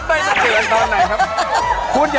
ขอบคุณครับ